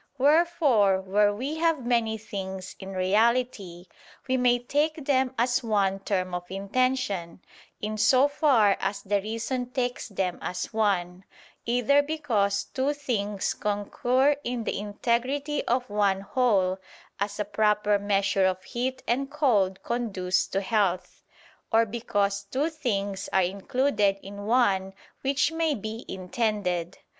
Wherefore where we have many things in reality, we may take them as one term of intention, in so far as the reason takes them as one: either because two things concur in the integrity of one whole, as a proper measure of heat and cold conduce to health; or because two things are included in one which may be intended.